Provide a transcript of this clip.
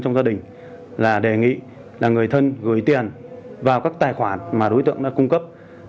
trong gia đình là đề nghị là người thân gửi tiền vào các tài khoản mà đối tượng đã cung cấp